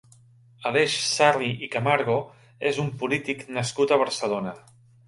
Aleix Sarri i Camargo és un polític nascut a Barcelona.